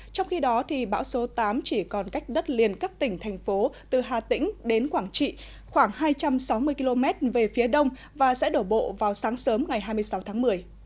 trong khi đó bão số tám chỉ còn cách đất liền các tỉnh thành phố từ hà tĩnh đến quảng trị khoảng hai trăm sáu mươi km về phía đông và sẽ đổ bộ vào sáng sớm ngày hai mươi sáu tháng một mươi